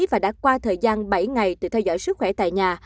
và đã qua thời gian bảy ngày tự theo dõi sức khỏe tại nhà